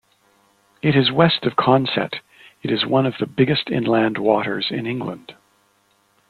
It is west of Consett.It is one of the biggest inland waters in England.